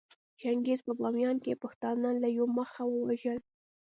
چنګېز په باميان کې پښتانه له يوه مخه ووژل